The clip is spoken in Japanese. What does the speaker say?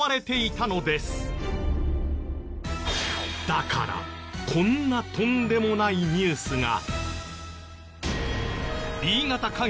だからこんなとんでもないニュースが。